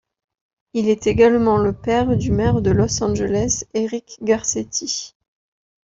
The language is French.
Il est également le père du maire de Los Angeles Eric Garcetti.